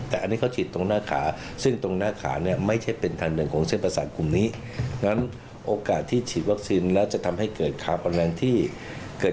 แต่อันนั้นเขาฉีดตรงหน้าขาซึ่งตรงหน้าขาเนี่ยไม่ใช่เป็นทางเดื่อนของเส้นประสาทกลุ่มนี้